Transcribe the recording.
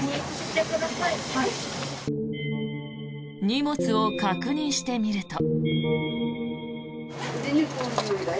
荷物を確認してみると。